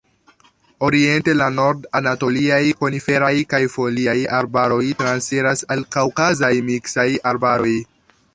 Oriente, la Nord-anatoliaj koniferaj kaj foliaj arbaroj transiras al Kaŭkazaj miksaj arbaroj.